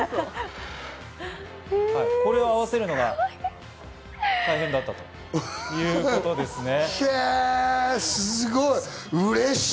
これを合わせるのが大変だったということですね。